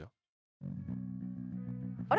あれ？